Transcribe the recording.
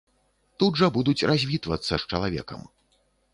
Тут жа будуць развітвацца з чалавекам.